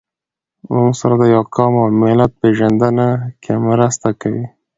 موږ سره د يوه قوم او ملت په پېژنده کې مرسته کوي.